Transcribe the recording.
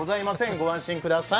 ご安心ください。